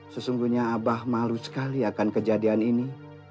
sesungguhnya abah malu sekali akan kejadian ini